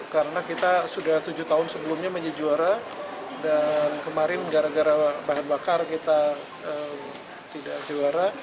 karena kita sudah tujuh tahun sebelumnya menjadi juara dan kemarin gara gara bahan bakar kita tidak juara